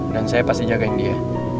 dan saya pasti jagain dia